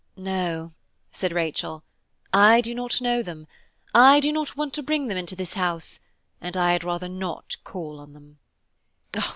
"No," said Rachel, "I do not know them; I do not want to bring them into this house, and I had rather not call on them."